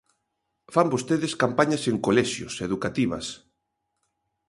Fan vostedes campañas en colexios, educativas.